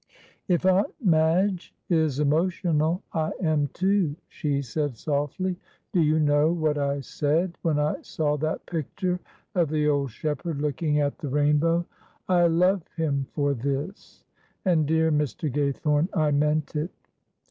"If Aunt Madge is emotional, I am too," she said, softly. "Do you know what I said when I saw that picture of the old shepherd looking at the rainbow? 'I love him for this,' and, dear Mr. Gaythorne, I meant it."